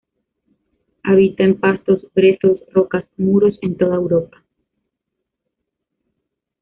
Habita en pastos, brezos, rocas, muros en toda Europa.